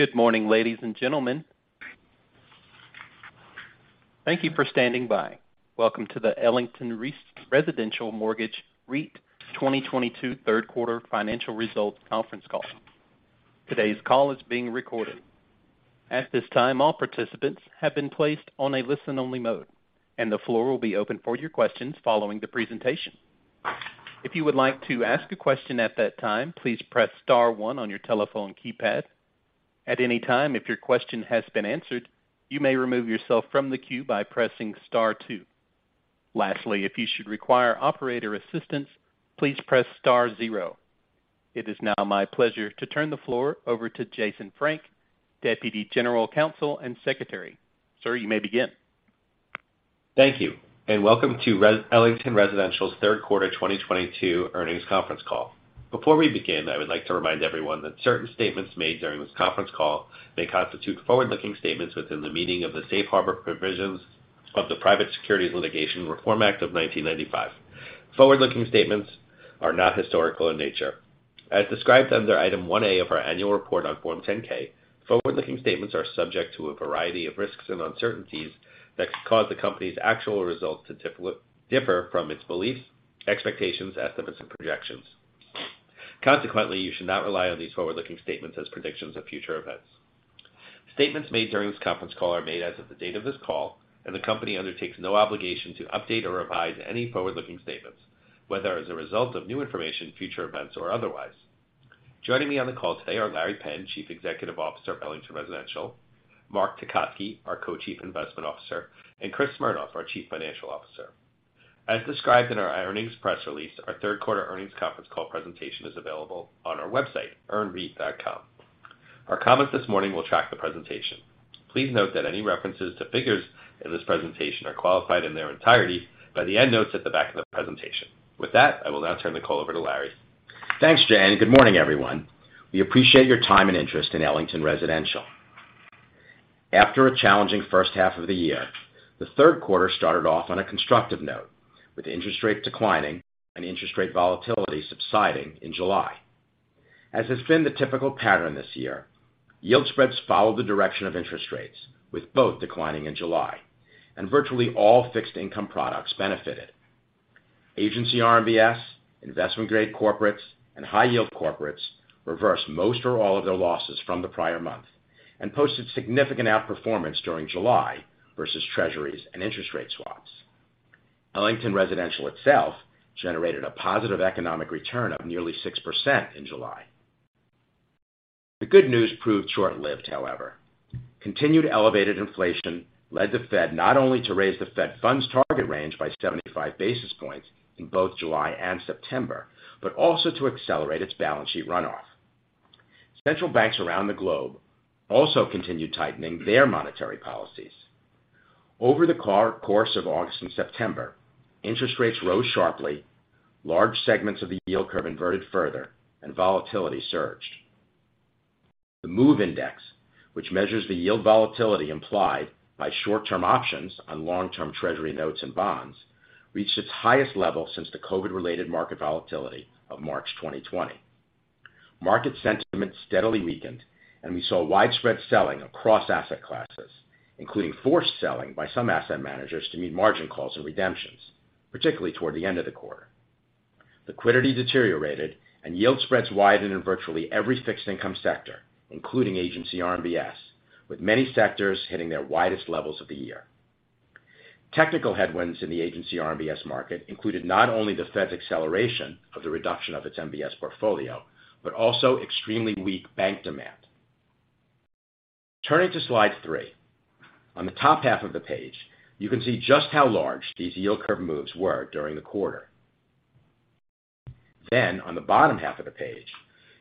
Good morning, ladies and gentlemen. Thank you for standing by. Welcome to the Ellington Residential Mortgage REIT 2022 third quarter financial results conference call. Today's call is being recorded. At this time, all participants have been placed on a listen-only mode, and the floor will be open for your questions following the presentation. If you would like to ask a question at that time, please press star one on your telephone keypad. At any time, if your question has been answered, you may remove yourself from the queue by pressing star two. Lastly, if you should require operator assistance, please press star zero. It is now my pleasure to turn the floor over to Jason Frank, Deputy General Counsel and Secretary. Sir, you may begin. Thank you, and welcome to Ellington Residential's third quarter 2022 earnings conference call. Before we begin, I would like to remind everyone that certain statements made during this conference call may constitute forward-looking statements within the meaning of the Safe Harbor provisions of the Private Securities Litigation Reform Act of 1995. Forward-looking statements are not historical in nature. As described under Item 1A of our annual report on Form 10-K, forward-looking statements are subject to a variety of risks and uncertainties that could cause the company's actual results to differ from its beliefs, expectations, estimates, and projections. Consequently, you should not rely on these forward-looking statements as predictions of future events. Statements made during this conference call are made as of the date of this call, and the company undertakes no obligation to update or revise any forward-looking statements, whether as a result of new information, future events, or otherwise. Joining me on the call today are Larry Penn, Chief Executive Officer of Ellington Residential, Mark Tecotzky, our Co-Chief Investment Officer, and Chris Smernoff, our Chief Financial Officer. As described in our earnings press release, our third quarter earnings conference call presentation is available on our website, earnreit.com. Our comments this morning will track the presentation. Please note that any references to figures in this presentation are qualified in their entirety by the endnotes at the back of the presentation. With that, I will now turn the call over to Larry. Thanks, Jay, and good morning, everyone. We appreciate your time and interest in Ellington Residential. After a challenging first half of the year, the third quarter started off on a constructive note, with interest rates declining and interest rate volatility subsiding in July. As has been the typical pattern this year, yield spreads followed the direction of interest rates, with both declining in July, and virtually all fixed income products benefited. Agency RMBS, investment-grade corporates, and high-yield corporates reversed most or all of their losses from the prior month and posted significant outperformance during July versus Treasuries and interest rate swaps. Ellington Residential itself generated a positive economic return of nearly 6% in July. The good news proved short-lived, however. Continued elevated inflation led the Fed not only to raise the Fed funds target range by 75 basis points in both July and September, but also to accelerate its balance sheet runoff. Central banks around the globe also continued tightening their monetary policies. Over the course of August and September, interest rates rose sharply, large segments of the yield curve inverted further, and volatility surged. The MOVE Index, which measures the yield volatility implied by short-term options on long-term Treasury notes and bonds, reached its highest level since the COVID-related market volatility of March 2020. Market sentiment steadily weakened, and we saw widespread selling across asset classes, including forced selling by some asset managers to meet margin calls and redemptions, particularly toward the end of the quarter. Liquidity deteriorated and yield spreads widened in virtually every fixed income sector, including agency RMBS, with many sectors hitting their widest levels of the year. Technical headwinds in the agency RMBS market included not only the Fed's acceleration of the reduction of its MBS portfolio, but also extremely weak bank demand. Turning to slide three. On the top half of the page, you can see just how large these yield curve moves were during the quarter. On the bottom half of the page,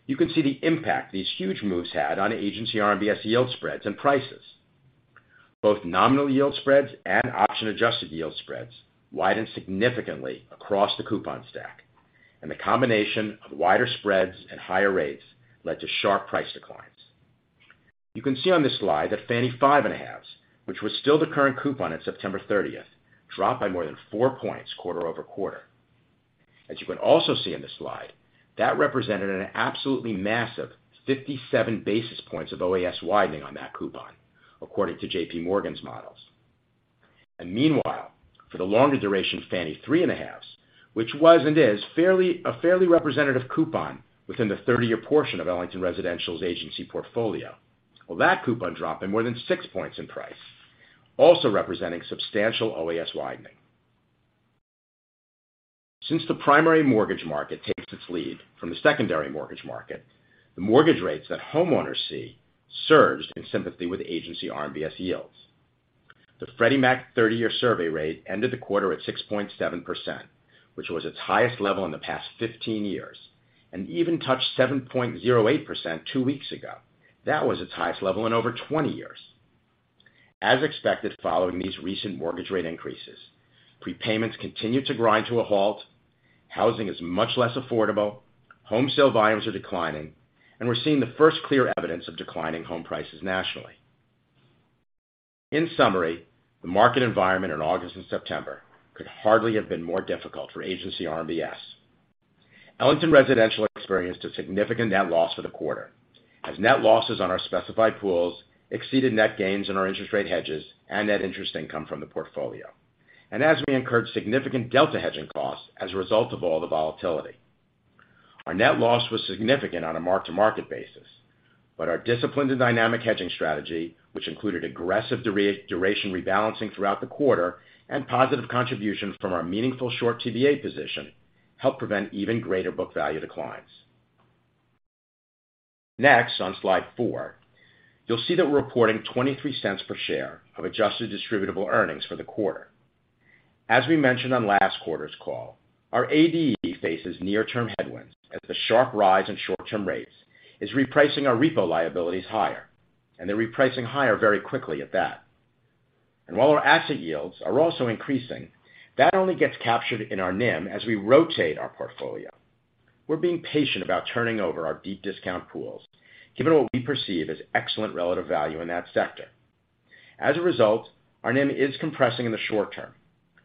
you can see the impact these huge moves had on agency RMBS yield spreads and prices. Both nominal yield spreads and option-adjusted yield spreads widened significantly across the coupon stack, and the combination of wider spreads and higher rates led to sharp price declines. You can see on this slide that Fannie 5.5s, which was still the current coupon at September thirtieth, dropped by more than 4 points quarter-over-quarter. As you can also see in this slide, that represented an absolutely massive 57 basis points of OAS widening on that coupon, according to JP Morgan's models. Meanwhile, for the longer duration Fannie 3.5s, which was and is fairly representative coupon within the 30-year portion of Ellington Residential's agency portfolio, well, that coupon dropped by more than 6 points in price, also representing substantial OAS widening. Since the primary mortgage market takes its lead from the secondary mortgage market, the mortgage rates that homeowners see surged in sympathy with agency RMBS yields. The Freddie Mac 30-year survey rate ended the quarter at 6.7%, which was its highest level in the past 15 years, and even touched 7.08% two weeks ago. That was its highest level in over 20 years. As expected, following these recent mortgage rate increases, prepayments continued to grind to a halt, housing is much less affordable, home sale volumes are declining, and we're seeing the first clear evidence of declining home prices nationally. In summary, the market environment in August and September could hardly have been more difficult for agency RMBS. Ellington Residential experienced a significant net loss for the quarter as net losses on our specified pools exceeded net gains in our interest rate hedges and net interest income from the portfolio. As we incurred significant delta hedging costs as a result of all the volatility. Our net loss was significant on a mark-to-market basis, but our disciplined and dynamic hedging strategy, which included aggressive duration rebalancing throughout the quarter and positive contributions from our meaningful short TBA position, helped prevent even greater book value declines. Next, on slide 4, you'll see that we're reporting $0.23 per share of adjusted distributable earnings for the quarter. As we mentioned on last quarter's call, our ADE faces near-term headwinds as the sharp rise in short-term rates is repricing our repo liabilities higher, and they're repricing higher very quickly at that. While our asset yields are also increasing, that only gets captured in our NIM as we rotate our portfolio. We're being patient about turning over our deep discount pools given what we perceive as excellent relative value in that sector. As a result, our NIM is compressing in the short term,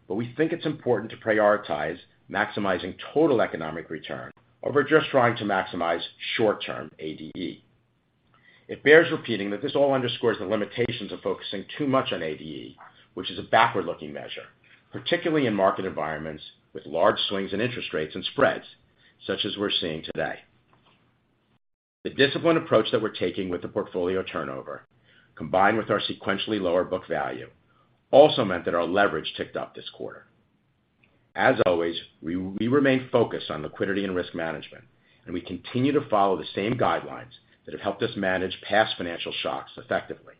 but we think it's important to prioritize maximizing total economic return over just trying to maximize short-term ADE. It bears repeating that this all underscores the limitations of focusing too much on ADE, which is a backward-looking measure, particularly in market environments with large swings in interest rates and spreads such as we're seeing today. The disciplined approach that we're taking with the portfolio turnover, combined with our sequentially lower book value, also meant that our leverage ticked up this quarter. As always, we remain focused on liquidity and risk management, and we continue to follow the same guidelines that have helped us manage past financial shocks effectively.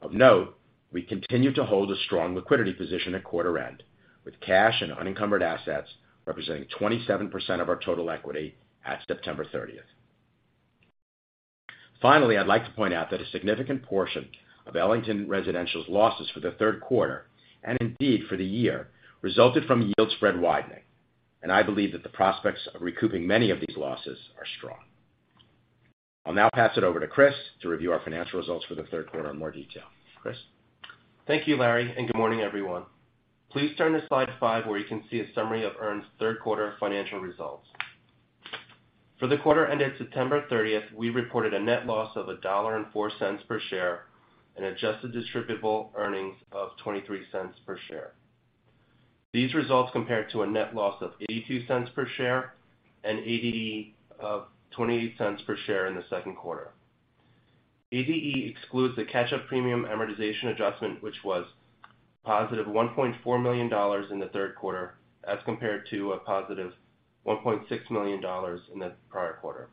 Of note, we continue to hold a strong liquidity position at quarter end, with cash and unencumbered assets representing 27% of our total equity at September thirtieth. Finally, I'd like to point out that a significant portion of Ellington Residential's losses for the third quarter, and indeed for the year, resulted from yield spread widening. I believe that the prospects of recouping many of these losses are strong. I'll now pass it over to Chris to review our financial results for the third quarter in more detail. Chris? Thank you, Larry, and good morning, everyone. Please turn to slide 5, where you can see a summary of EARN's third quarter financial results. For the quarter ended September 30, we reported a net loss of $1.04 per share and adjusted distributable earnings of $0.23 per share. These results compared to a net loss of $0.82 per share and ADE of $0.20 per share in the second quarter. ADE excludes the catch-up premium amortization adjustment, which was positive $1.4 million in the third quarter as compared to a positive $1.6 million in the prior quarter.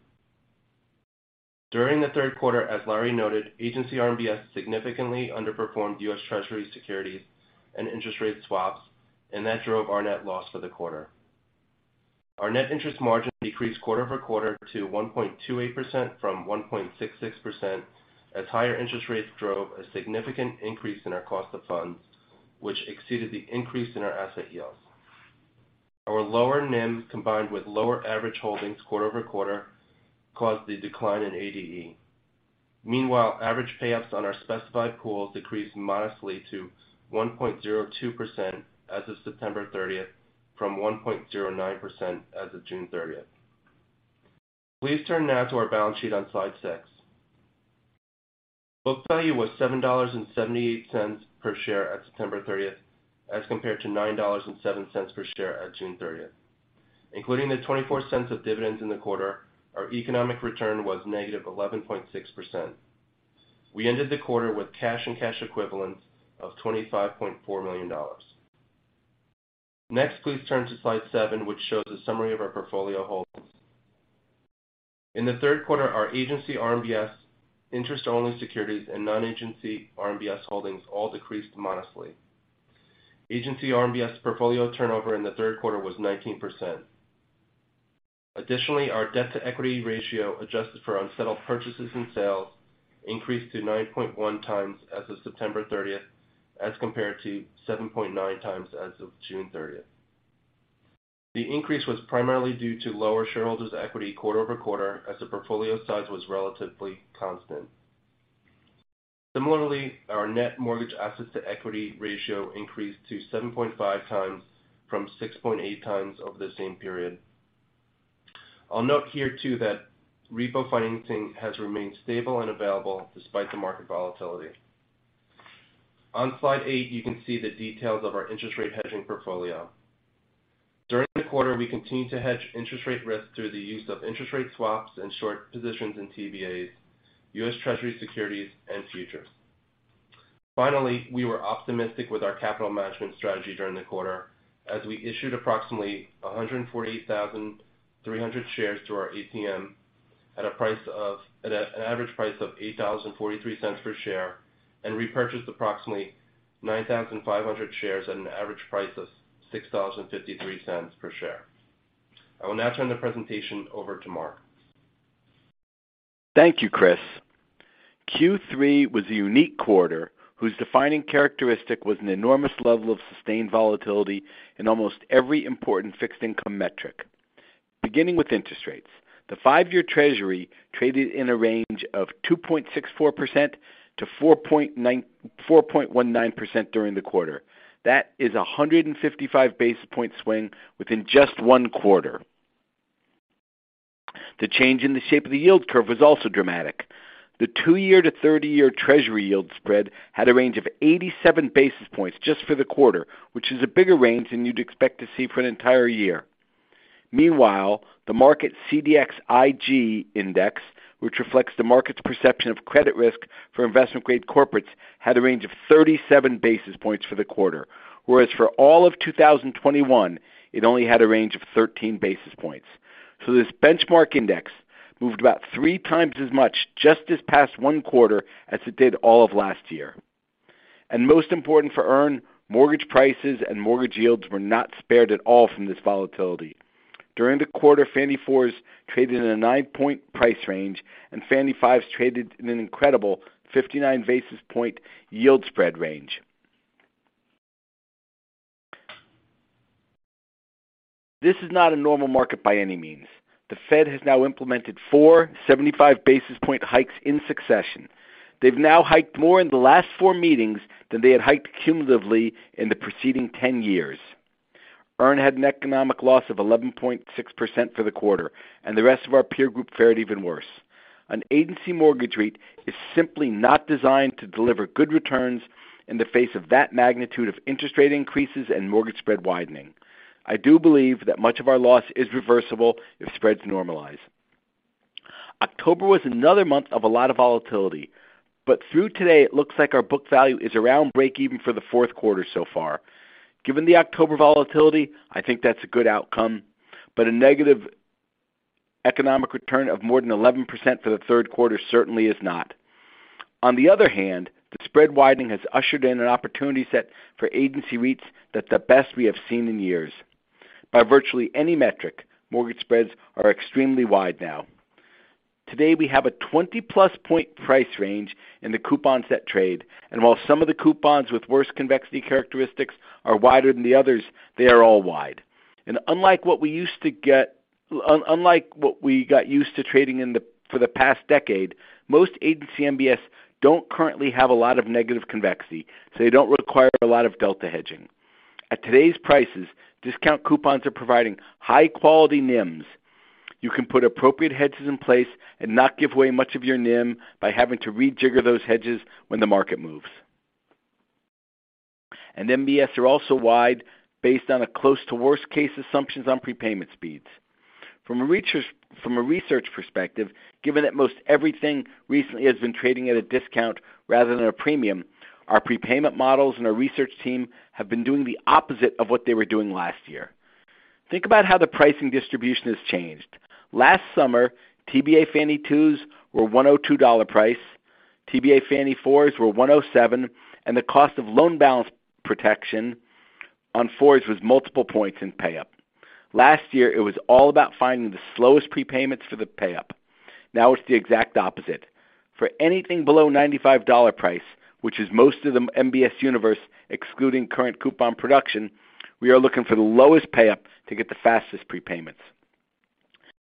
During the third quarter, as Larry noted, agency RMBS significantly underperformed U.S. Treasury securities and interest rate swaps, and that drove our net loss for the quarter. Our net interest margin decreased quarter-over-quarter to 1.28% from 1.66% as higher interest rates drove a significant increase in our cost of funds, which exceeded the increase in our asset yields. Our lower NIM, combined with lower average holdings quarter-over-quarter, caused the decline in ADE. Meanwhile, average payouts on our specified pools decreased modestly to 1.02% as of September thirtieth from 1.09% as of June thirtieth. Please turn now to our balance sheet on slide six. Book value was $7.78 per share at September thirtieth as compared to $9.07 per share at June thirtieth. Including the $0.24 of dividends in the quarter, our economic return was negative 11.6%. We ended the quarter with cash and cash equivalents of $25.4 million. Next, please turn to slide 7, which shows a summary of our portfolio holdings. In the third quarter, our agency RMBS interest-only securities and non-agency RMBS holdings all decreased modestly. Agency RMBS portfolio turnover in the third quarter was 19%. Additionally, our debt-to-equity ratio, adjusted for unsettled purchases and sales, increased to 9.1x as of September thirtieth as compared to 7.9x as of June thirtieth. The increase was primarily due to lower shareholders' equity quarter-over-quarter as the portfolio size was relatively constant. Similarly, our net mortgage assets to equity ratio increased to 7.5x from 6.8x over the same period. I'll note here, too, that repo financing has remained stable and available despite the market volatility. On slide eight, you can see the details of our interest rate hedging portfolio. During the quarter, we continued to hedge interest rate risk through the use of interest rate swaps and short positions in TBAs, U.S. Treasury securities, and futures. Finally, we were optimistic with our capital management strategy during the quarter as we issued approximately 148,300 shares through our ATM at an average price of $8.43 per share and repurchased approximately 9,500 shares at an average price of $6.53 per share. I will now turn the presentation over to Mark. Thank you, Chris. Q3 was a unique quarter whose defining characteristic was an enormous level of sustained volatility in almost every important fixed income metric. Beginning with interest rates. The five-year Treasury traded in a range of 2.64%-4.19% during the quarter. That is a 155 basis point swing within just one quarter. The change in the shape of the yield curve was also dramatic. The two-year to thirty-year Treasury yield spread had a range of 87 basis points just for the quarter, which is a bigger range than you'd expect to see for an entire year. Meanwhile, the Market CDX IG Index, which reflects the market's perception of credit risk for investment-grade corporates, had a range of 37 basis points for the quarter, whereas for all of 2021, it only had a range of 13 basis points. This benchmark index moved about three times as much just this past one quarter as it did all of last year. Most important for EARN, mortgage prices and mortgage yields were not spared at all from this volatility. During the quarter, Fannie 4s traded in a 9-point price range, and Fannie 5s traded in an incredible 59 basis point yield spread range. This is not a normal market by any means. The Fed has now implemented four 75 basis point hikes in succession. They've now hiked more in the last four meetings than they had hiked cumulatively in the preceding 10 years. EARN had an economic loss of 11.6% for the quarter, and the rest of our peer group fared even worse. An agency mortgage rate is simply not designed to deliver good returns in the face of that magnitude of interest rate increases and mortgage spread widening. I do believe that much of our loss is reversible if spreads normalize. October was another month of a lot of volatility, but through today it looks like our book value is around breakeven for the fourth quarter so far. Given the October volatility, I think that's a good outcome, but a negative economic return of more than 11% for the third quarter certainly is not. On the other hand, the spread widening has ushered in an opportunity set for agency REITs that the best we have seen in years. By virtually any metric, mortgage spreads are extremely wide now. Today, we have a 20+ point price range in the coupons that trade, and while some of the coupons with worse convexity characteristics are wider than the others, they are all wide. Unlike what we got used to trading in for the past decade, most agency MBS don't currently have a lot of negative convexity, so they don't require a lot of delta hedging. At today's prices, discount coupons are providing high-quality NIMs. You can put appropriate hedges in place and not give away much of your NIM by having to rejigger those hedges when the market moves. MBS are also wide based on close to worst case assumptions on prepayment speeds. From a research perspective, given that most everything recently has been trading at a discount rather than a premium, our prepayment models and our research team have been doing the opposite of what they were doing last year. Think about how the pricing distribution has changed. Last summer, TBA Fannie 2s were $102 price, TBA Fannie 4s were $107, and the cost of loan balance protection on 4s was multiple points in pay-up. Last year, it was all about finding the slowest prepayments for the pay-up. Now it's the exact opposite. For anything below $95 price, which is most of the MBS universe, excluding current coupon production, we are looking for the lowest pay-up to get the fastest prepayments.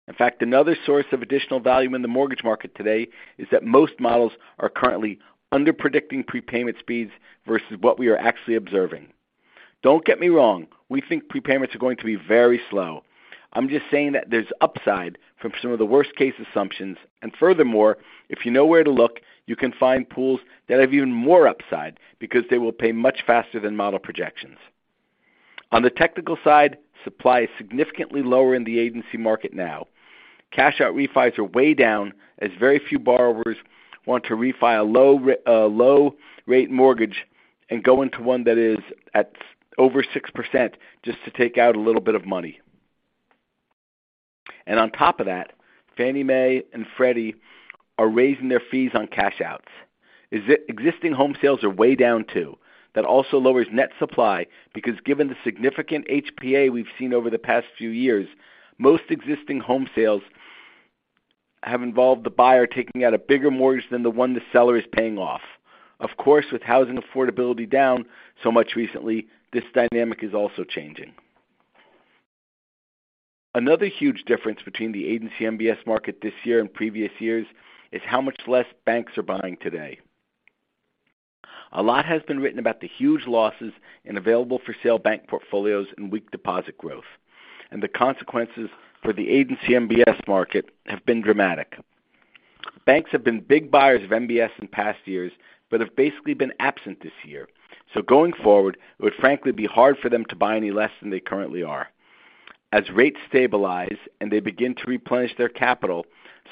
In fact, another source of additional value in the mortgage market today is that most models are currently under-predicting prepayment speeds versus what we are actually observing. Don't get me wrong, we think prepayments are going to be very slow. I'm just saying that there's upside from some of the worst-case assumptions. Furthermore, if you know where to look, you can find pools that have even more upside because they will pay much faster than model projections. On the technical side, supply is significantly lower in the agency market now. Cash out refis are way down as very few borrowers want to refi a low rate mortgage and go into one that is at over 6% just to take out a little bit of money. On top of that, Fannie Mae and Freddie are raising their fees on cash outs. Existing home sales are way down too. That also lowers net supply because given the significant HPA we've seen over the past few years, most existing home sales have involved the buyer taking out a bigger mortgage than the one the seller is paying off. Of course, with housing affordability down so much recently, this dynamic is also changing. Another huge difference between the agency MBS market this year and previous years is how much less banks are buying today. A lot has been written about the huge losses in available-for-sale bank portfolios and weak deposit growth, and the consequences for the agency MBS market have been dramatic. Banks have been big buyers of MBS in past years, but have basically been absent this year. Going forward, it would frankly be hard for them to buy any less than they currently are. As rates stabilize and they begin to replenish their capital,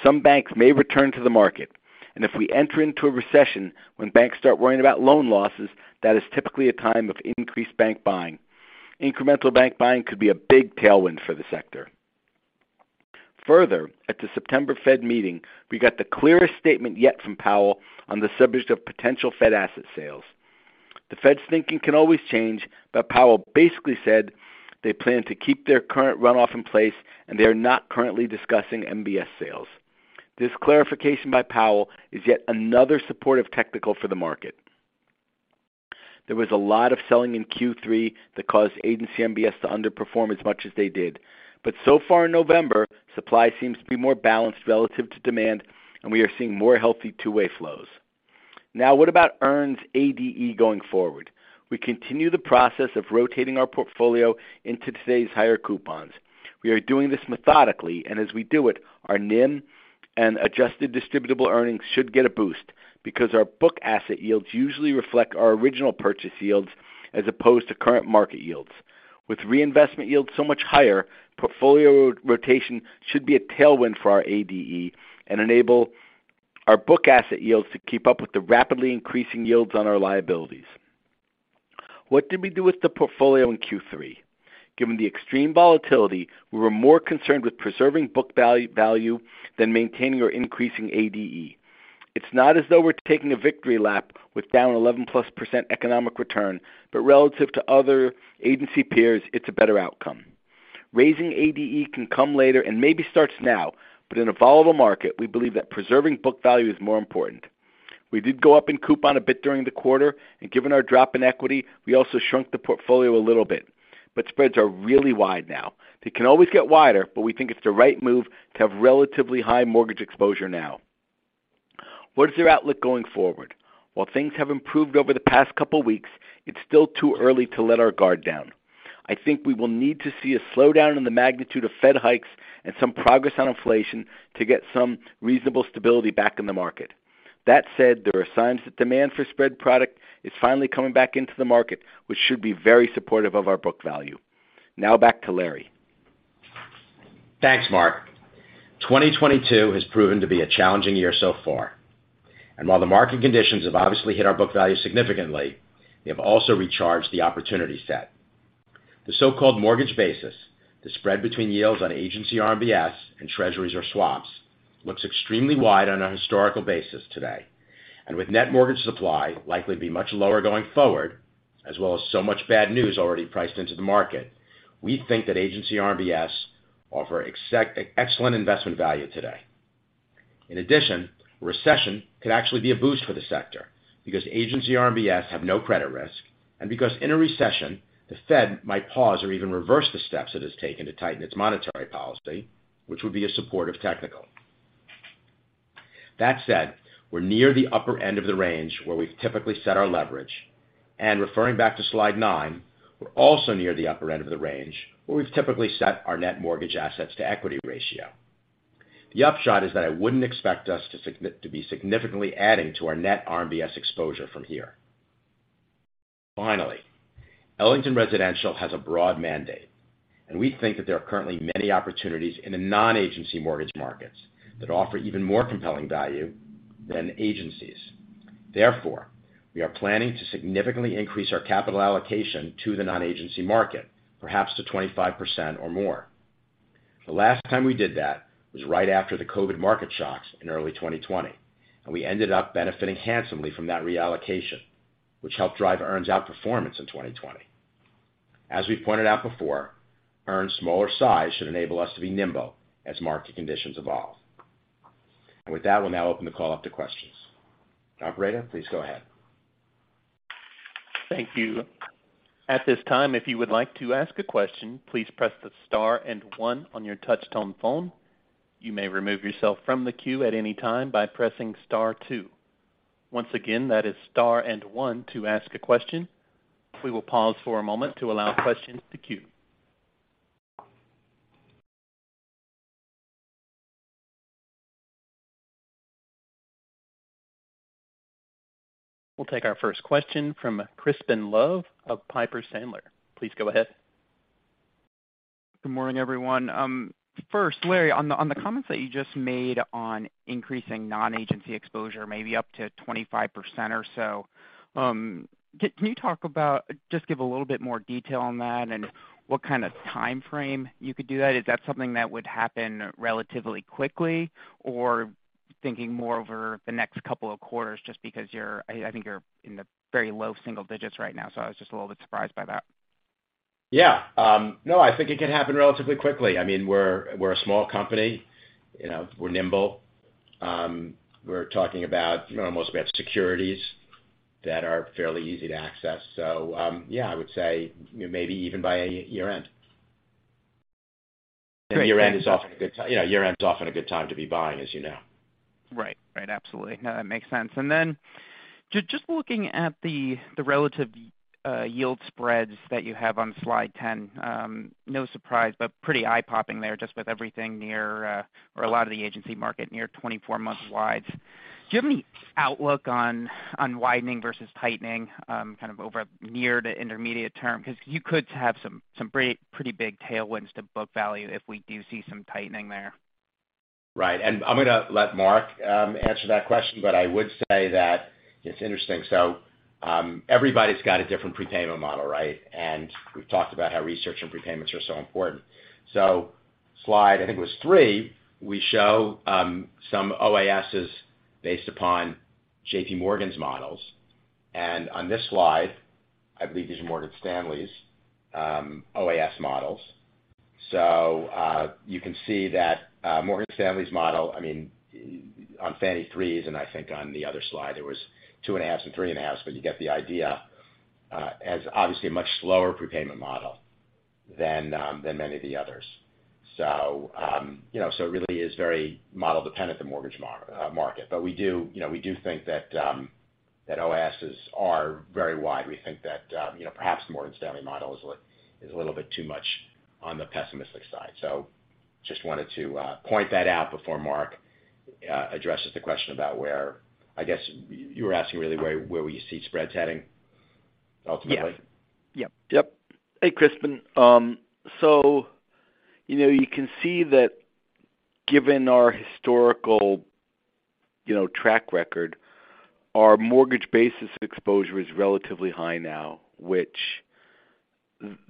some banks may return to the market. If we enter into a recession when banks start worrying about loan losses, that is typically a time of increased bank buying. Incremental bank buying could be a big tailwind for the sector. Further, at the September Fed meeting, we got the clearest statement yet from Powell on the subject of potential Fed asset sales. The Fed's thinking can always change, but Powell basically said they plan to keep their current runoff in place, and they are not currently discussing MBS sales. This clarification by Powell is yet another supportive technical for the market. There was a lot of selling in Q3 that caused agency MBS to underperform as much as they did. So far in November, supply seems to be more balanced relative to demand, and we are seeing more healthy two-way flows. Now, what about EARN's ADE going forward? We continue the process of rotating our portfolio into today's higher coupons. We are doing this methodically, and as we do it, our NIM and adjusted distributable earnings should get a boost because our book asset yields usually reflect our original purchase yields as opposed to current market yields. With reinvestment yields so much higher, portfolio rotation should be a tailwind for our ADE and enable our book asset yields to keep up with the rapidly increasing yields on our liabilities. What did we do with the portfolio in Q3? Given the extreme volatility, we were more concerned with preserving book value than maintaining or increasing ADE. It's not as though we're taking a victory lap with down 11%+ economic return, but relative to other agency peers, it's a better outcome. Raising ADE can come later and maybe starts now, but in a volatile market, we believe that preserving book value is more important. We did go up in coupon a bit during the quarter, and given our drop in equity, we also shrunk the portfolio a little bit. Spreads are really wide now. They can always get wider, but we think it's the right move to have relatively high mortgage exposure now. What is your outlook going forward? While things have improved over the past couple weeks, it's still too early to let our guard down. I think we will need to see a slowdown in the magnitude of Fed hikes and some progress on inflation to get some reasonable stability back in the market. That said, there are signs that demand for spread product is finally coming back into the market, which should be very supportive of our book value. Now back to Larry. Thanks, Mark. 2022 has proven to be a challenging year so far. While the market conditions have obviously hit our book value significantly, they have also recharged the opportunity set. The so-called mortgage basis, the spread between yields on agency RMBS and Treasuries or swaps, looks extremely wide on a historical basis today. With net mortgage supply likely to be much lower going forward, as well as so much bad news already priced into the market, we think that agency RMBS offer excellent investment value today. In addition, recession could actually be a boost for the sector because agency RMBS have no credit risk, and because in a recession, the Fed might pause or even reverse the steps it has taken to tighten its monetary policy, which would be a supportive technical. That said, we're near the upper end of the range where we've typically set our leverage. Referring back to slide 9, we're also near the upper end of the range where we've typically set our net mortgage assets to equity ratio. The upshot is that I wouldn't expect us to be significantly adding to our net RMBS exposure from here. Finally, Ellington Residential has a broad mandate, and we think that there are currently many opportunities in the non-agency mortgage markets that offer even more compelling value than agencies. Therefore, we are planning to significantly increase our capital allocation to the non-agency market, perhaps to 25% or more. The last time we did that was right after the COVID market shocks in early 2020, and we ended up benefiting handsomely from that reallocation, which helped drive EARN's outperformance in 2020. As we pointed out before, EARN's smaller size should enable us to be nimble as market conditions evolve. With that, we'll now open the call up to questions. Operator, please go ahead. Thank you. At this time, if you would like to ask a question, please press the star and one on your touch tone phone. You may remove yourself from the queue at any time by pressing star two. Once again, that is star and one to ask a question. We will pause for a moment to allow questions to queue. We'll take our first question from Crispin Love of Piper Sandler. Please go ahead. Good morning, everyone. First, Larry, on the comments that you just made on increasing non-agency exposure maybe up to 25% or so, can you talk about just give a little bit more detail on that and what kind of timeframe you could do that? Is that something that would happen relatively quickly or thinking more over the next couple of quarters just because you're I think you're in the very low single digits right now, so I was just a little bit surprised by that. Yeah. No, I think it could happen relatively quickly. I mean, we're a small company, you know, we're nimble. We're talking about, you know, mostly about securities that are fairly easy to access. Yeah, I would say maybe even by year-end. Great. Year-end is often a good, you know, year-end's often a good time to be buying, as you know. Right. Absolutely. No, that makes sense. Then just looking at the relative yield spreads that you have on slide 10, no surprise, but pretty eye-popping there just with everything near or a lot of the agency market near 24-month wides. Do you have any outlook on widening versus tightening kind of over near- to intermediate-term? 'Cause you could have some pretty big tailwinds to book value if we do see some tightening there. Right. I'm gonna let Mark answer that question, but I would say that it's interesting. Everybody's got a different prepayment model, right? We've talked about how research and prepayments are so important. Slide 3, we show some OASs based upon JP Morgan's models. On this slide, I believe these are Morgan Stanley's OAS models. You can see that Morgan Stanley's model, I mean, on Fannie 3s, and I think on the other slide, there was 2.5s and 3.5s, but you get the idea, is obviously a much slower prepayment model than many of the others. You know, it really is very model dependent, the mortgage market. We do, you know, we do think that OASs are very wide. We think that, you know, perhaps Morgan Stanley model is a little bit too much on the pessimistic side. Just wanted to point that out before Mark addresses the question about where I guess you were asking really where we see spreads heading ultimately. Yeah. Yep. Yep. Hey, Crispin. You know, you can see that given our historical track record, our mortgage basis exposure is relatively high now, which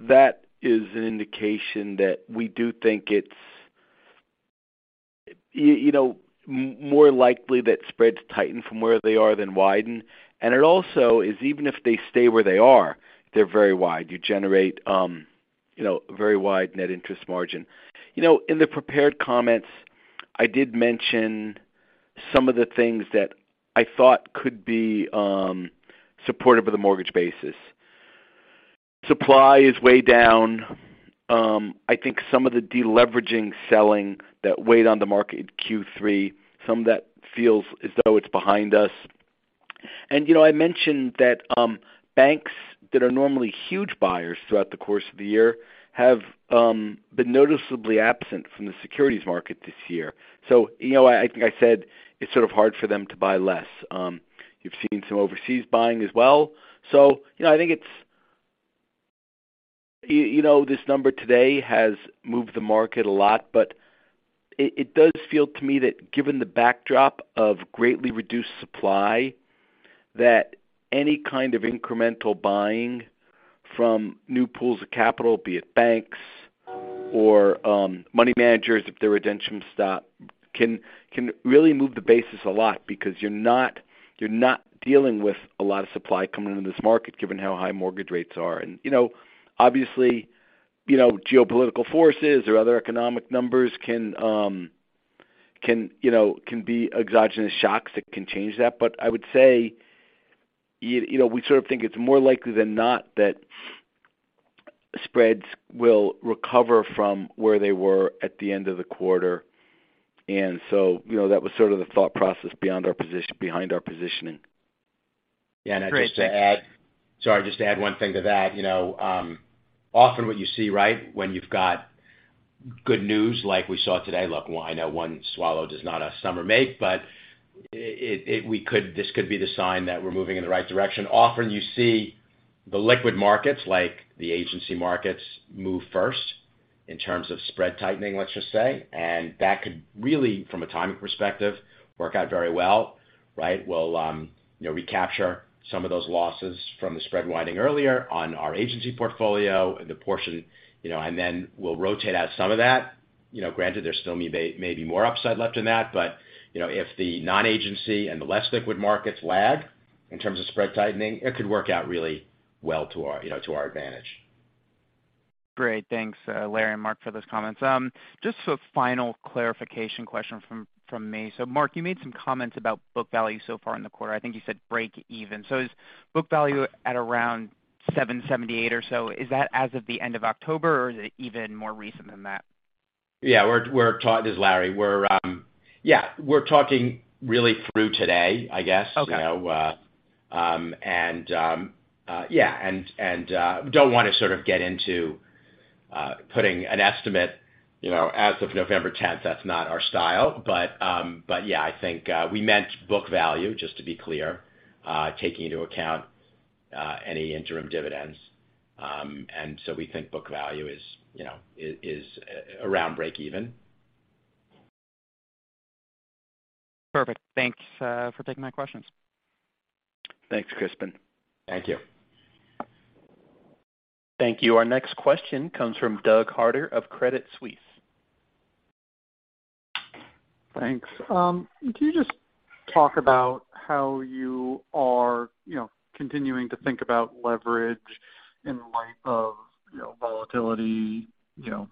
that is an indication that we do think it's you know, more likely that spreads tighten from where they are than widen. It also is even if they stay where they are, they're very wide. You generate you know, very wide net interest margin. You know, in the prepared comments, I did mention some of the things that I thought could be supportive of the mortgage basis. Supply is way down. I think some of the de-leveraging selling that weighed on the market Q3, some of that feels as though it's behind us. You know, I mentioned that banks that are normally huge buyers throughout the course of the year have been noticeably absent from the securities market this year. You know, I think I said it's sort of hard for them to buy less. You've seen some overseas buying as well. You know, I think, you know, this number today has moved the market a lot, but it does feel to me that given the backdrop of greatly reduced supply, that any kind of incremental buying from new pools of capital, be it banks or money managers, if their redemptions stop, can really move the basis a lot because you're not dealing with a lot of supply coming into this market given how high mortgage rates are. You know, obviously, you know, geopolitical forces or other economic numbers can be exogenous shocks that can change that. I would say you know, we sort of think it's more likely than not that spreads will recover from where they were at the end of the quarter. You know, that was sort of the thought process behind our positioning. Great. Thank you. Yeah. Just to add one thing to that, you know, often what you see, right, when you've got good news like we saw today. Look, I know one swallow does not a summer make, but this could be the sign that we're moving in the right direction. Often you see the liquid markets, like the agency markets, move first in terms of spread tightening, let's just say, and that could really, from a timing perspective, work out very well, right? We'll, you know, recapture some of those losses from the spread widening earlier on our agency portfolio and the portion, you know, and then we'll rotate out some of that. You know, granted there's still maybe more upside left in that. You know, if the non-agency and the less liquid markets lag in terms of spread tightening, it could work out really well to our, you know, to our advantage. Great. Thanks, Larry and Mark, for those comments. Just a final clarification question from me. Mark, you made some comments about book value so far in the quarter. I think you said break even. Is book value at around $7.78 or so, is that as of the end of October, or is it even more recent than that? Yeah. This is Larry. Yeah, we're talking really through today, I guess. Okay. You know, yeah, don't wanna sort of get into putting an estimate, you know, as of November tenth. That's not our style. Yeah, I think we meant book value, just to be clear, taking into account any interim dividends. We think book value is, you know, is around break even. Perfect. Thanks for taking my questions. Thanks, Crispin. Thank you. Thank you. Our next question comes from Douglas Harter of Credit Suisse. Thanks. Can you just talk about how you are, you know, continuing to think about leverage in light of, you know, volatility, you know,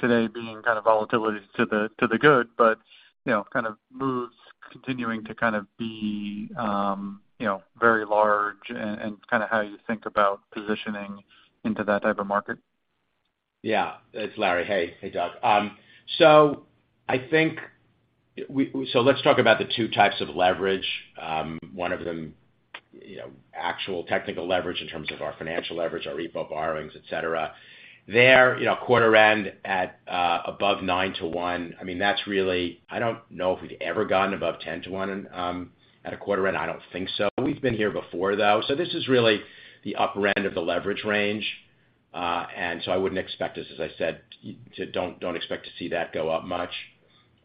today being kind of volatility to the good, but, you know, kind of moves continuing to kind of be, you know, very large and kind of how you think about positioning into that type of market? Yeah. It's Larry. Hey, hey, Doug. So let's talk about the two types of leverage. One of them, you know, actual technical leverage in terms of our financial leverage, our repo borrowings, et cetera. There, you know, quarter end at above 9-to-1, I mean, that's really. I don't know if we've ever gotten above 10-to-1 at a quarter end. I don't think so. We've been here before, though. This is really the upper end of the leverage range. I wouldn't expect this, as I said, don't expect to see that go up much.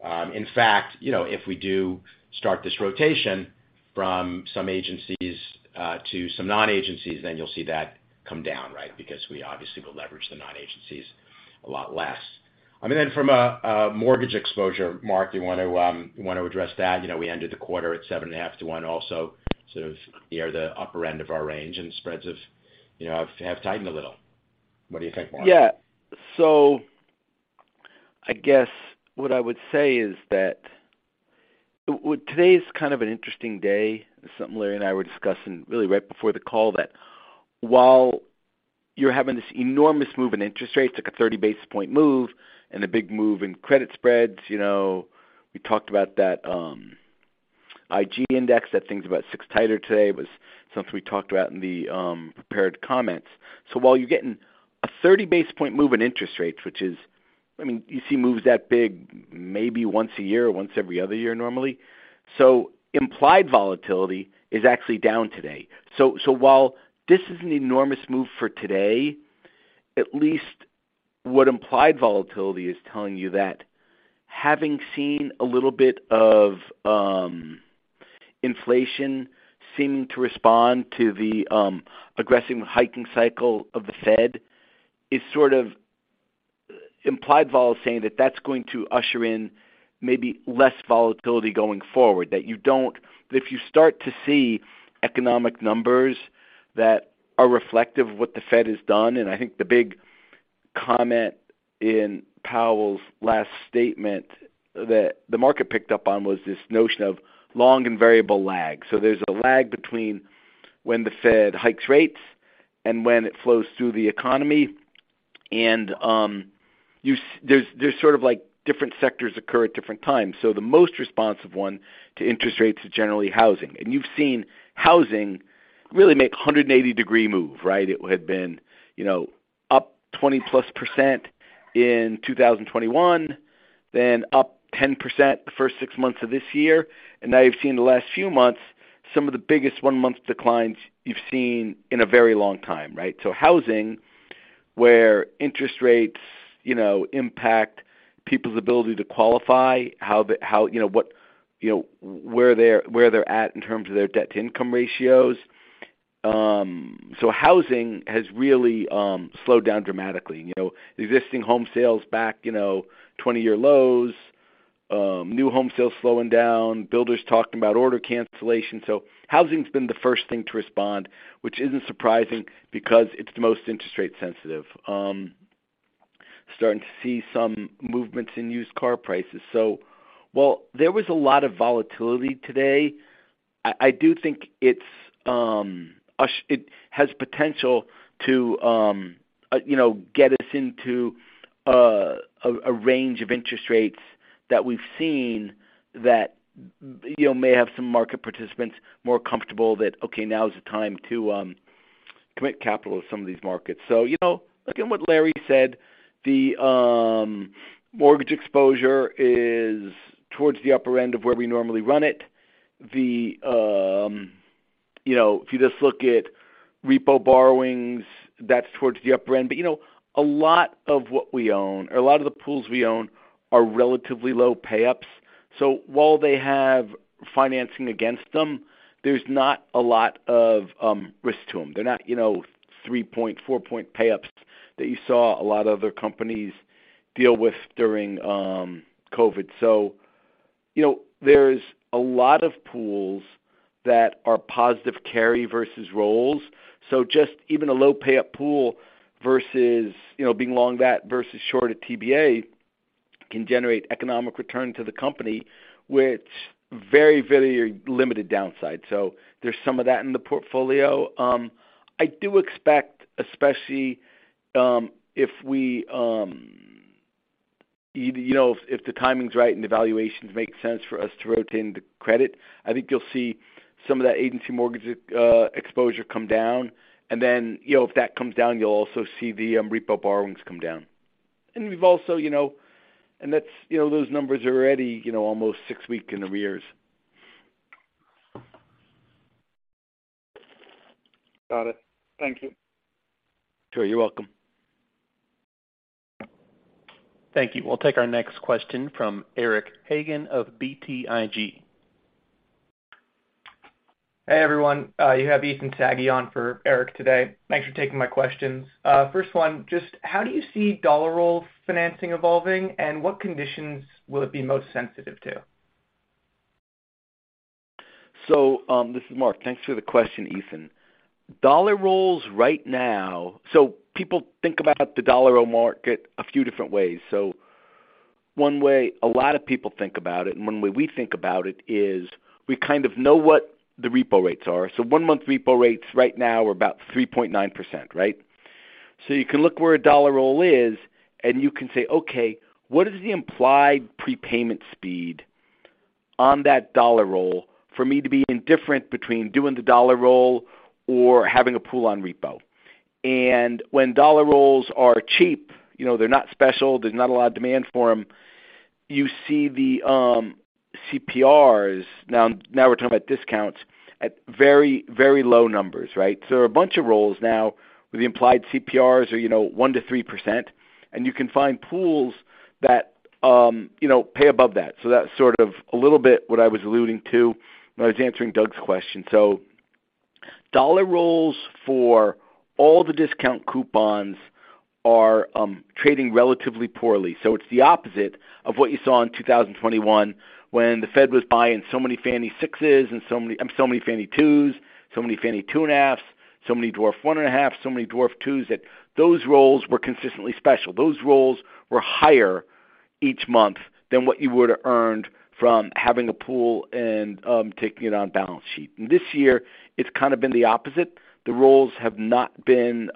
In fact, you know, if we do start this rotation from some agencies to some non-agencies, then you'll see that come down, right? Because we obviously will leverage the non-agencies a lot less. I mean, then from a mortgage exposure, Mark, do you want to address that? You know, we ended the quarter at 7.5 to 1 also, sort of near the upper end of our range and spreads have, you know, tightened a little. What do you think, Mark? Yeah. I guess what I would say is that well, today is kind of an interesting day. It's something Larry and I were discussing really right before the call, that while you're having this enormous move in interest rates, like a 30 basis point move and a big move in credit spreads, you know, we talked about that, IG index. That thing's about six tighter today, but it's something we talked about in the prepared comments. While you're getting a 30 basis point move in interest rates, which is, I mean, you see moves that big maybe once a year or once every other year, normally. Implied volatility is actually down today. While this is an enormous move for today, at least what implied volatility is telling you that having seen a little bit of inflation seeming to respond to the aggressive hiking cycle of the Fed is sort of implied vol saying that that's going to usher in maybe less volatility going forward. If you start to see economic numbers that are reflective of what the Fed has done, and I think the big comment in Powell's last statement that the market picked up on was this notion of long and variable lag. There's a lag between when the Fed hikes rates and when it flows through the economy. There's sort of like different sectors occur at different times. The most responsive one to interest rates is generally housing. You've seen housing really make a 180-degree move, right? It had been, you know, up 20%+ in 2021, then up 10% the first six months of this year. Now you've seen the last few months, some of the biggest one-month declines you've seen in a very long time, right? Housing, where interest rates, you know, impact people's ability to qualify, how, you know, where they're at in terms of their debt-to-income ratios. Housing has really slowed down dramatically. You know, existing home sales back, you know, 20-year lows, new home sales slowing down, builders talking about order cancellation. Housing's been the first thing to respond, which isn't surprising because it's the most interest rate sensitive. Starting to see some movements in used car prices. While there was a lot of volatility today, I do think it has potential to, you know, get us into a range of interest rates that we've seen that, you know, may have some market participants more comfortable that, okay, now is the time to commit capital to some of these markets. You know, again, what Larry said, the mortgage exposure is towards the upper end of where we normally run it. You know, if you just look at repo borrowings, that's towards the upper end. But, you know, a lot of what we own or a lot of the pools we own are relatively low pay-ups. While they have financing against them, there's not a lot of risk to them. They're not, you know, 3-point, 4-point pay-ups that you saw a lot of other companies deal with during COVID. You know, there's a lot of pools that are positive carry versus rolls. Just even a low pay-up pool versus, you know, being long basis versus short TBA can generate economic return to the company, with very, very limited downside. There's some of that in the portfolio. I do expect, especially, if the timing's right and the valuations make sense for us to rotate into credit. I think you'll see some of that agency mortgage exposure come down. Then, you know, if that comes down, you'll also see the repo borrowings come down. That's, you know, those numbers are already, you know, almost six weeks in arrears. Got it. Thank you. Sure. You're welcome. Thank you. We'll take our next question from Eric Hagen of BTIG. Hey, everyone. You have Ethan Saghi on for Eric today. Thanks for taking my questions. First one, just how do you see dollar roll financing evolving, and what conditions will it be most sensitive to? This is Mark Tecotzky. Thanks for the question, Ethan Saghi. Dollar rolls right now. People think about the dollar roll market a few different ways. One way a lot of people think about it, and one way we think about it is we kind of know what the repo rates are. One-month repo rates right now are about 3.9%, right? You can look where a dollar roll is, and you can say, okay, what is the implied prepayment speed on that dollar roll for me to be indifferent between doing the dollar roll or having a pool on repo? When dollar rolls are cheap, you know, they're not special, there's not a lot of demand for them, you see the CPRs. Now we're talking about discounts at very, very low numbers, right? A bunch of rolls now with the implied CPRs are, you know, 1%-3%, and you can find pools that, you know, pay above that. That's sort of a little bit what I was alluding to when I was answering Doug's question. Dollar rolls for all the discount coupons are trading relatively poorly. It's the opposite of what you saw in 2021 when the Fed was buying so many Fannie 6s and so many Fannie 2s, so many Fannie 2.5s, so many dwarf 1.5s, so many dwarf 2s, that those rolls were consistently special. Those rolls were higher each month than what you would have earned from having a pool and taking it on balance sheet. This year, it's kind of been the opposite. The rolls have not been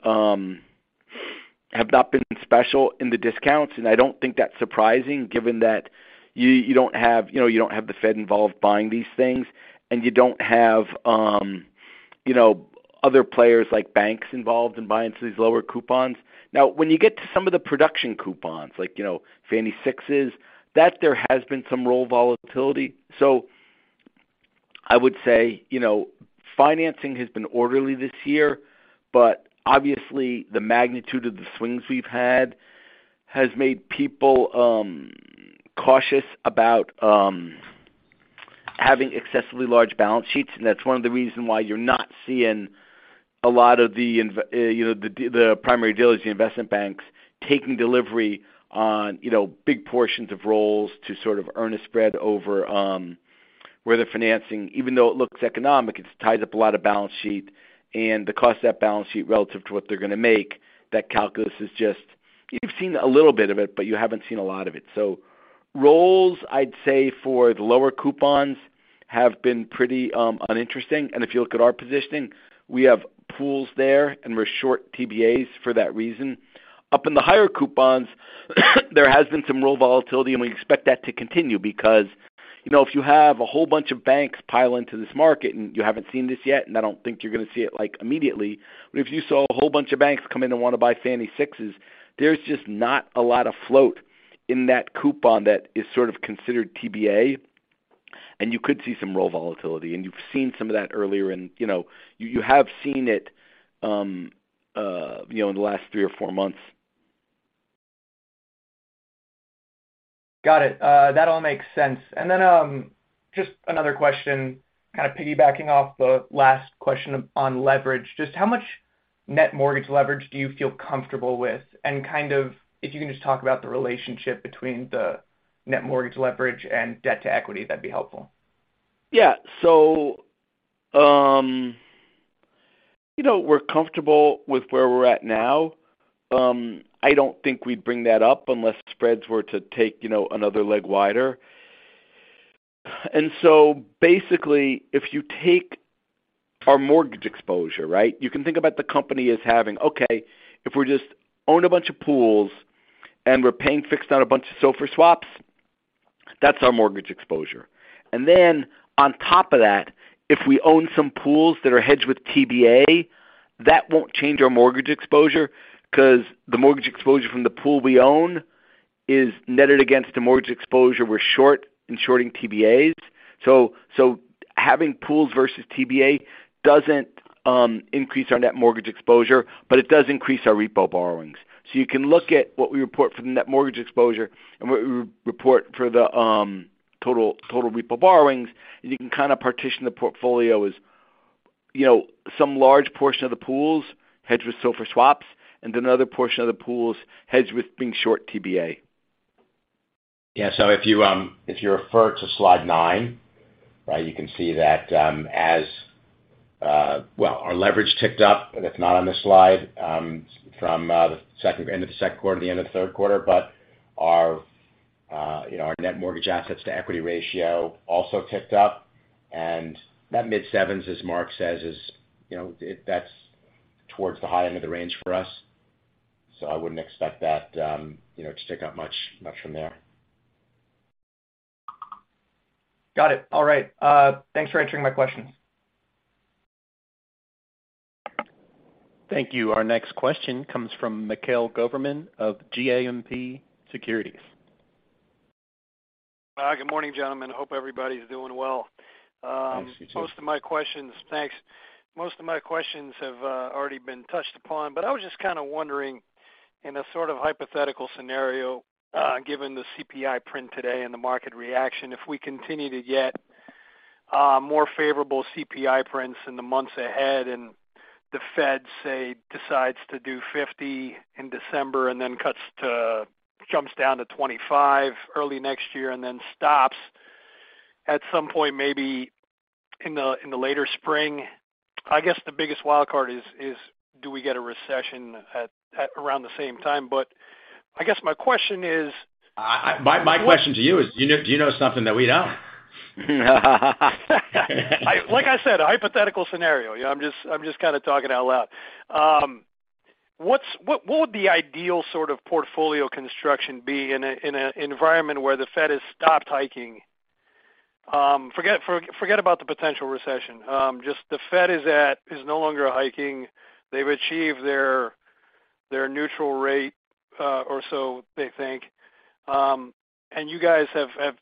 special in the discounts, and I don't think that's surprising given that you don't have, you know, the Fed involved buying these things, and you don't have, you know, other players like banks involved in buying some of these lower coupons. Now, when you get to some of the production coupons, like, you know, Fannie sixes, that there has been some roll volatility. I would say, you know, financing has been orderly this year, but obviously, the magnitude of the swings we've had has made people cautious about having excessively large balance sheets, and that's one of the reason why you're not seeing a lot of the primary dealers, the investment banks, taking delivery on, you know, big portions of rolls to sort of earn a spread over where they're financing. Even though it looks economic, it's tied up a lot of balance sheet and the cost of that balance sheet relative to what they're gonna make, that calculus is just. You've seen a little bit of it, but you haven't seen a lot of it. Rolls, I'd say for the lower coupons have been pretty uninteresting. If you look at our positioning, we have pools there, and we're short TBAs for that reason. Up in the higher coupons, there has been some roll volatility, and we expect that to continue because, you know, if you have a whole bunch of banks pile into this market and you haven't seen this yet, and I don't think you're gonna see it, like, immediately. If you saw a whole bunch of banks come in and wanna buy Fannie sixes, there's just not a lot of float in that coupon that is sort of considered TBA, and you could see some roll volatility. You've seen some of that earlier and, you know, you have seen it, you know, in the last three or four months. Got it. That all makes sense. Just another question, kind of piggybacking off the last question on leverage. Just how much net mortgage leverage do you feel comfortable with? Kind of if you can just talk about the relationship between the net mortgage leverage and debt to equity, that'd be helpful. Yeah. We're comfortable with where we're at now. I don't think we'd bring that up unless spreads were to take, you know, another leg wider. Basically, if you take our mortgage exposure, right? You can think about the company as having, okay, if we just owned a bunch of pools and we're paying fixed on a bunch of SOFR swaps, that's our mortgage exposure. Then on top of that, if we own some pools that are hedged with TBA, that won't change our mortgage exposure because the mortgage exposure from the pool we own is netted against the mortgage exposure we're short in shorting TBAs. Having pools versus TBA doesn't increase our net mortgage exposure, but it does increase our repo borrowings. You can look at what we report for the net mortgage exposure and what we report for the total repo borrowings, and you can kinda partition the portfolio as, you know, some large portion of the pools hedged with SOFR swaps, and another portion of the pools hedged with being short TBA. Yeah. If you refer to slide 9, right, you can see that, well, our leverage ticked up, and it's not on this slide, from the end of the second quarter to the end of the third quarter. Our, you know, our net mortgage assets to equity ratio also ticked up. That mid-sevens, as Mark says, is, you know, that's towards the high end of the range for us. I wouldn't expect that, you know, to tick up much from there. Got it. All right. Thanks for answering my questions. Thank you. Our next question comes from Mikhail Goberman of JMP Securities. Good morning, gentlemen. Hope everybody's doing well. Thanks. You too. Most of my questions have already been touched upon. I was just kinda wondering in a sort of hypothetical scenario, given the CPI print today and the market reaction, if we continue to get more favorable CPI prints in the months ahead and the Fed, say, decides to do 50 in December and then jumps down to 25 early next year and then stops at some point, maybe in the later spring. I guess the biggest wildcard is do we get a recession at around the same time? I guess my question is My question to you is, do you know something that we don't? Like I said, a hypothetical scenario. You know, I'm just kinda talking out loud. What would the ideal sort of portfolio construction be in an environment where the Fed has stopped hiking? Forget about the potential recession. Just the Fed is no longer hiking. They've achieved their neutral rate, or so they think. You guys have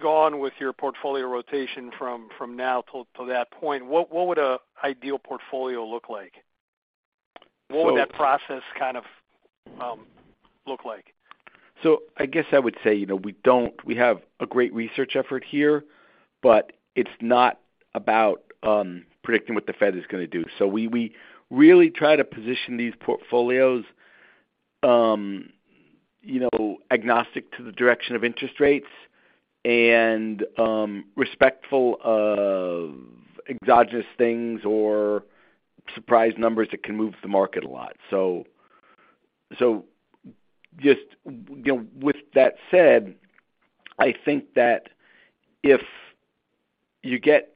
gone with your portfolio rotation from now till that point. What would an ideal portfolio look like? What would that process kind of look like? I guess I would say, you know, we don't. We have a great research effort here, but it's not about predicting what the Fed is gonna do. We really try to position these portfolios, you know, agnostic to the direction of interest rates and respectful of exogenous things or surprise numbers that can move the market a lot. Just, you know, with that said, I think that if you get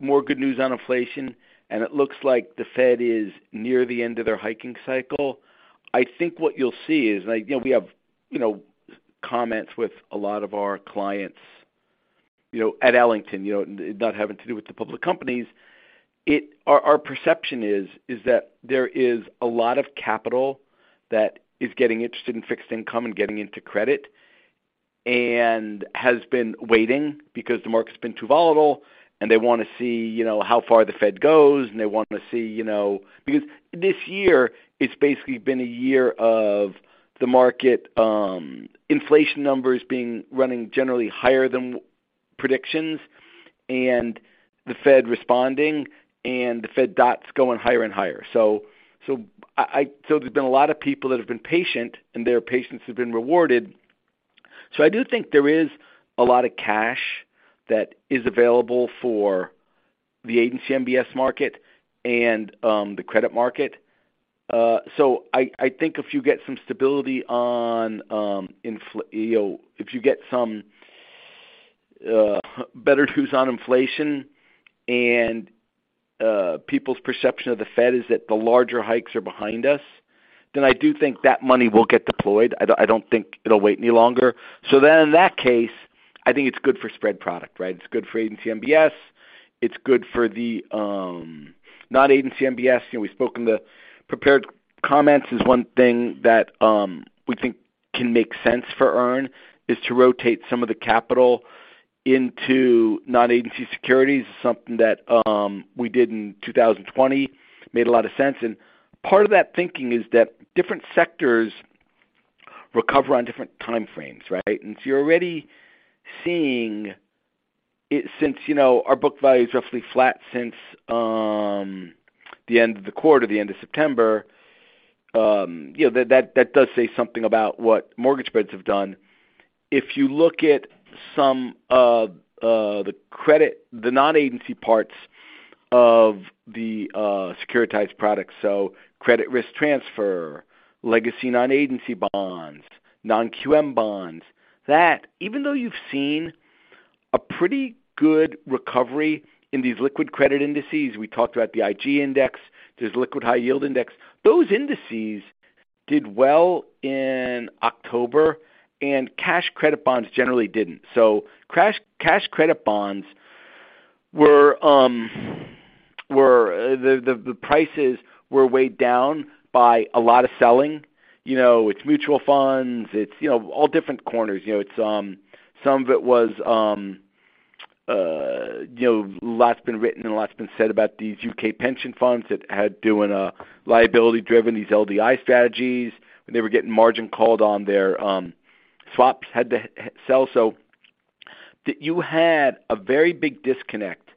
more good news on inflation and it looks like the Fed is near the end of their hiking cycle, I think what you'll see is, like, you know, we have, you know, comments with a lot of our clients, you know, at Ellington, you know, not having to do with the public companies. Our perception is that there is a lot of capital that is getting interested in fixed income and getting into credit, and has been waiting because the market's been too volatile, and they wanna see, you know, how far the Fed goes, and they wanna see, you know. Because this year it's basically been a year of the market, inflation numbers running generally higher than predictions and the Fed responding, and the Fed dots going higher and higher. So there's been a lot of people that have been patient, and their patience has been rewarded. So I do think there is a lot of cash that is available for the agency MBS market and the credit market. I think if you get some stability on, you know, if you get some better news on inflation and people's perception of the Fed is that the larger hikes are behind us, then I do think that money will get deployed. I don't think it'll wait any longer. In that case, I think it's good for spread product, right? It's good for agency MBS, it's good for the non-agency MBS. You know, we spoke in the prepared comments is one thing that we think can make sense for EARN, is to rotate some of the capital into non-agency securities. Something that we did in 2020. Made a lot of sense. Part of that thinking is that different sectors recover on different time frames, right? You're already seeing it since, you know, our book value is roughly flat since the end of the quarter, the end of September. You know, that does say something about what mortgage spreads have done. If you look at some of the credit the non-agency parts of the securitized products, so credit risk transfer, legacy non-agency bonds, non-QM bonds, that even though you've seen a pretty good recovery in these liquid credit indices, we talked about the IG index, there's liquid high yield index. Those indices did well in October, and cash credit bonds generally didn't. Cash credit bonds were the prices were weighed down by a lot of selling. You know, it's mutual funds. It's, you know, all different corners. You know, it's some of it was, you know, lots been written and lots been said about these U.K. pension funds that were doing liability-driven LDI strategies, when they were getting margin called on their swaps, had to sell. You had a very big disconnect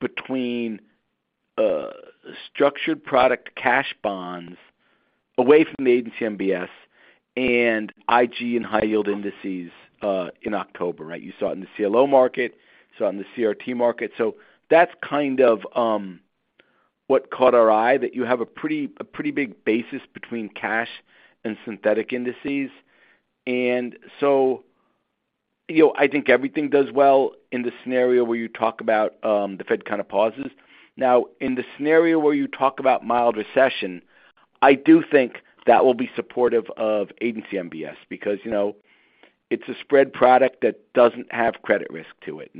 between structured product cash bonds away from the agency MBS and IG and high yield indices in October, right? You saw it in the CLO market, you saw it in the CRT market. That's kind of what caught our eye, that you have a pretty big basis between cash and synthetic indices. You know, I think everything does well in the scenario where you talk about the Fed kind of pauses. Now, in the scenario where you talk about mild recession, I do think that will be supportive of agency MBS because, you know, it's a spread product that doesn't have credit risk to it.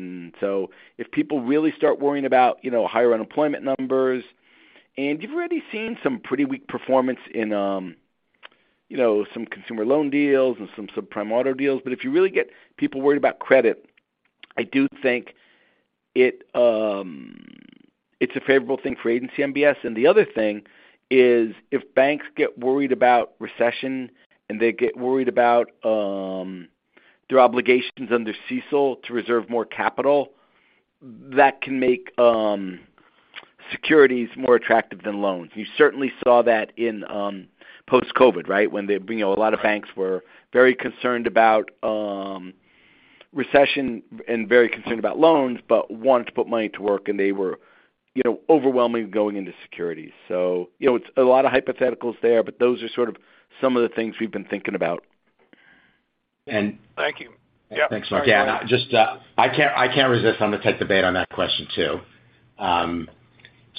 If people really start worrying about, you know, higher unemployment numbers, and you've already seen some pretty weak performance in, you know, some consumer loan deals and some subprime auto deals. If you really get people worried about credit, I do think it's a favorable thing for agency MBS. The other thing is, if banks get worried about recession and they get worried about their obligations under CECL to reserve more capital, that can make securities more attractive than loans. You certainly saw that in post-COVID, right? When they, you know, a lot of banks were very concerned about, recession and very concerned about loans, but wanted to put money to work and they were, you know, overwhelmingly going into securities. You know, it's a lot of hypotheticals there, but those are sort of some of the things we've been thinking about. Thank you. Yep. Thanks, Mark. Yeah, just, I can't resist. I'm gonna take the bait on that question too.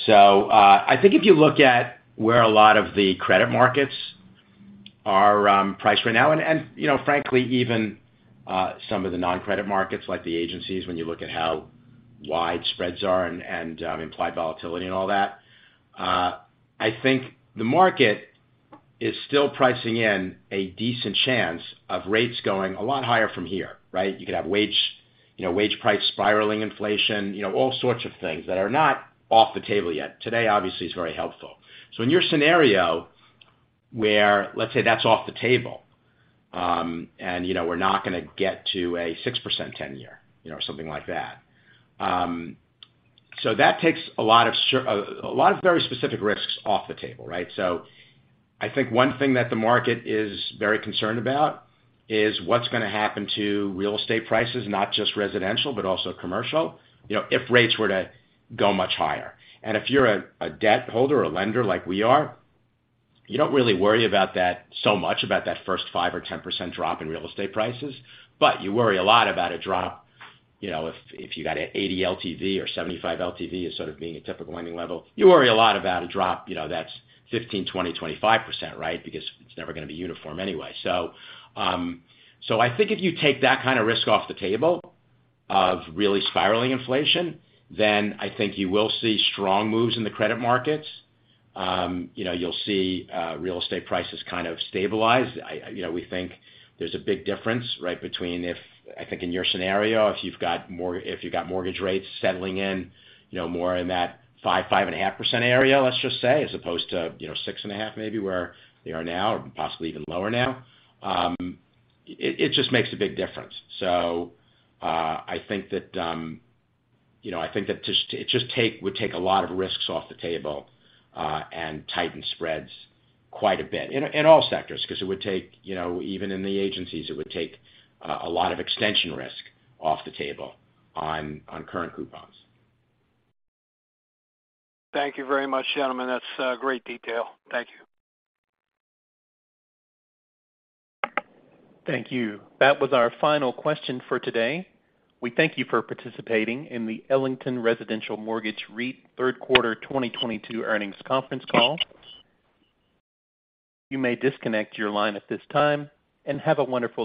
So, I think if you look at where a lot of the credit markets are priced right now, and you know, frankly, even some of the non-credit markets like the agencies, when you look at how wide spreads are and implied volatility and all that, I think the market is still pricing in a decent chance of rates going a lot higher from here, right? You could have wage, you know, wage price spiraling inflation, you know, all sorts of things that are not off the table yet. Today, obviously, is very helpful. In your scenario where, let's say, that's off the table, you know, we're not gonna get to a 6% 10-year, you know, something like that takes a lot of a lot of very specific risks off the table, right? I think one thing that the market is very concerned about is what's gonna happen to real estate prices, not just residential, but also commercial, you know, if rates were to go much higher. If you're a debt holder or lender like we are, you don't really worry about that so much about that first 5% or 10% drop in real estate prices, but you worry a lot about a drop, you know, if you got a 80 LTV or 75 LTV as sort of being a typical lending level. You worry a lot about a drop, you know, that's 15, 20, 25%, right? Because it's never gonna be uniform anyway. I think if you take that kind of risk off the table of really spiraling inflation, then I think you will see strong moves in the credit markets. You know, you'll see real estate prices kind of stabilize. You know, we think there's a big difference, right, between if I think in your scenario, if you've got mortgage rates settling in, you know, more in that 5.5% area, let's just say, as opposed to, you know, 6.5% maybe where they are now or possibly even lower now, it just makes a big difference. I think that just would take a lot of risks off the table and tighten spreads quite a bit in all sectors 'cause it would take, you know, even in the agencies, it would take a lot of extension risk off the table on current coupons. Thank you very much, gentlemen. That's great detail. Thank you. Thank you. That was our final question for today. We thank you for participating in the Ellington Residential Mortgage REIT third quarter 2022 earnings conference call. You may disconnect your line at this time, and have a wonderful day.